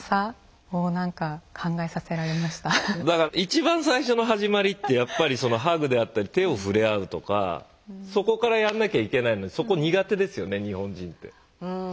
だから一番最初の始まりってやっぱりハグであったり手を触れ合うとかそこからやんなきゃいけないのにそこ苦手ですよね日本人って。